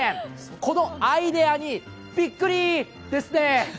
このアイデアにびっくりー！ですね。